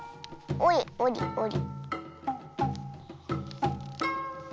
おりおりおり。